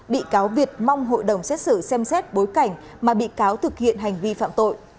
bị cáo việt mong hội đồng xét xử xem xét bối cảnh mà bị cáo thực hiện hành vi phạm tội